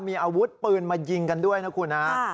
มีอาวุธปืนมายิงกันด้วยนะคุณฮะ